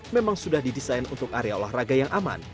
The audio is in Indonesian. memang sudah didesain untuk area olahraga yang aman